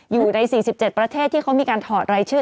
อยู่ใน๔๗ประเทศที่เขามีการถอดรายชื่อ